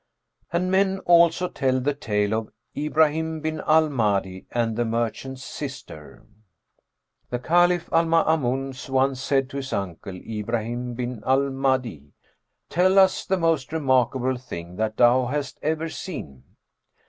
And men also tell the tale of IBRAHIM BIN AL MAHDI AND THE MERCHANT'S SISTER. The Caliph Al Maamъn once said to his uncle Ibrahim bin Al Mahdн, "Tell us the most remarkable thing that thou hast ever seen."